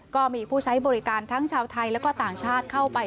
ก็มีผู้ใช้บริการทั้งชาวไทยและก็ต่างชาติเข้าไป